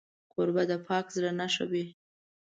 کوربه د پاک زړه نښه وي.